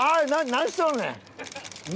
何しとるねん？